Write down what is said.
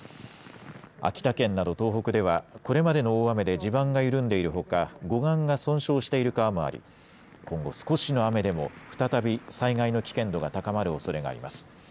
秋田県など東北では、これまでの大雨で地盤が緩んでいるほか、護岸が損傷している川もあり、今後、少しの雨でも再び災害の危険度が高まるおそれがあります。